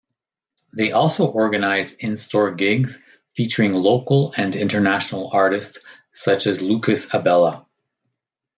They also organised in-store gigs featuring local and international artists such as Lucas Abela.